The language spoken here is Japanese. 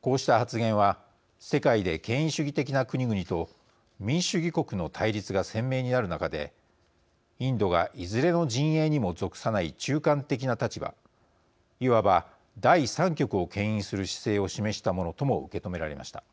こうした発言は世界で権威主義的な国々と民主主義国の対立が鮮明になる中でインドがいずれの陣営にも属さない中間的な立場いわば第３極をけん引する姿勢を示したものとも受け止められました。